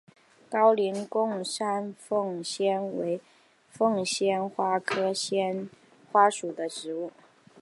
高黎贡山凤仙花为凤仙花科凤仙花属的植物。